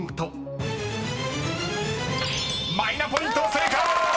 ［正解！